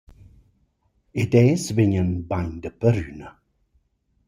Ed els vegnan bain daperüna.